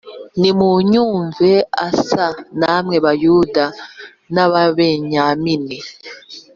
Nimunyumve Asa namwe Bayuda n Ababenyamini